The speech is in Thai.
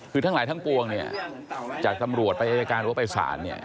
คือทั้งหลายทั้งปวงจากตำรวจปริยายการหรือว่าปริศาล